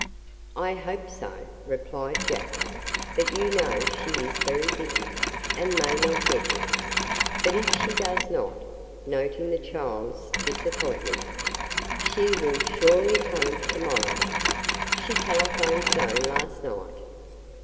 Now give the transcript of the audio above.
"I hope so," replied Jack, "but you know she is very busy, and may not get here. But if she does not" noting the child's disappointment "she will surely come to morrow. She telephoned so last night."